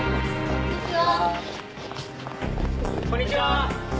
こんにちは。